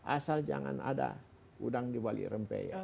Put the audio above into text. asal jangan ada udang di bali rempe ya